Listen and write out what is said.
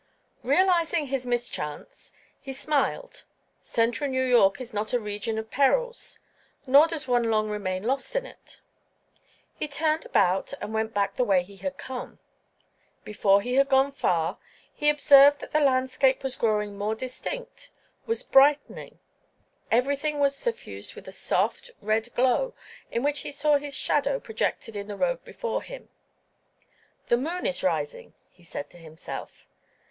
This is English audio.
Realizing his mischance, he smiled; central New York is not a region of perils, nor does one long remain lost in it. He turned about and went back the way that he had come. Before he had gone far he observed that the landscape was growing more distinct—was brightening. Everything was suffused with a soft, red glow in which he saw his shadow projected in the road before him. "The moon is rising," he said to himself.